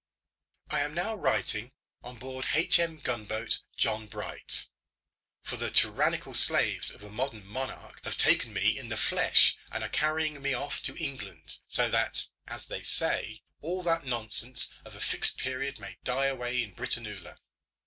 I am now writing on board H.M. gunboat John Bright, for the tyrannical slaves of a modern monarch have taken me in the flesh and are carrying me off to England, so that, as they say, all that nonsense of a Fixed Period may die away in Britannula.